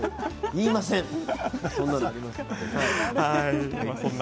言いませんから。